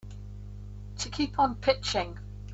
To keep on pitching.